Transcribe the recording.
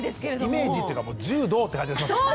イメージっていうかもう柔道って感じがしますけどね。